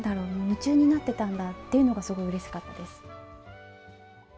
夢中になってたんだっていうのがすごいうれしかったです。